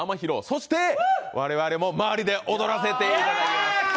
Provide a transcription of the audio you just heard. そして我々も周りで踊らせていただきます。